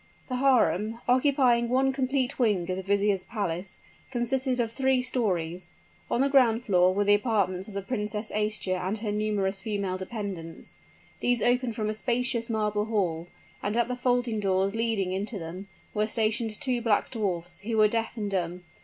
The harem, occupying one complete wing of the vizier's palace, consisted of three stories. On the ground floor were the apartments of the Princess Aischa and her numerous female dependents. These opened from a spacious marble hall; and at the folding doors leading into them, were stationed two black dwarfs, who were deaf and dumb.